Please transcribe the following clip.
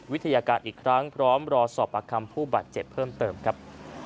วิทยาการอีกครั้งพร้อมรอสอบประคำผู้บาดเจ็บเพิ่มเติมครับ